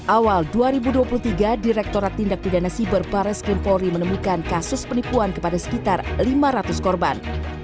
awal dua ribu dua puluh tiga direkturat tindak tidak nasibur pares kempori menemukan kasus penipuan kepada sekitar lima ratus korban